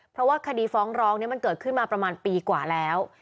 เพราะว่าคดีฟ้องร้องมันเกิดขึ้นมาประมาณปีกว่าแล้ว